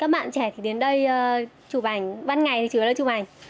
các bạn trẻ thì đến đây chụp ảnh ban ngày thì chụp ảnh